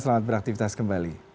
selamat beraktivitas kembali